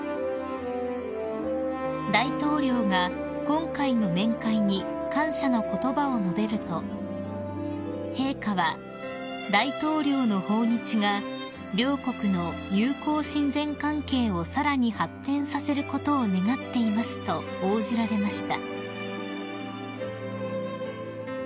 ［大統領が今回の面会に感謝の言葉を述べると陛下は「大統領の訪日が両国の友好親善関係をさらに発展させることを願っています」と応じられました］